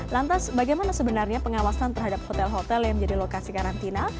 lantas bagaimana sebenarnya pengawasan terhadap hotel hotel yang menjadi lokasi karantina